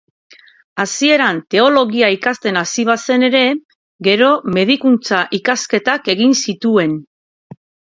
Hasieran teologia ikasten hasi bazen ere, gero medikuntza-ikasketak egin zituen.